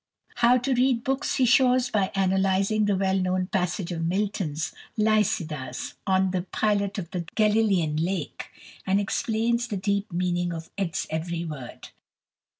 How to read books he shows by analyzing the well known passage from Milton's "Lycidas" on "The Pilot of the Galilean Lake," and explaining the deep meaning of its every word.